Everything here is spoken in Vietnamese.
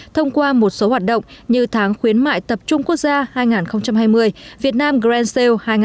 thông qua một số hoạt động như tháng khuyến mại tập trung quốc gia hai nghìn hai mươi việt nam grand sale hai nghìn hai mươi một